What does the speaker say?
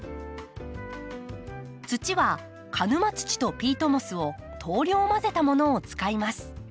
土は鹿沼土とピートモスを等量混ぜたものを使います。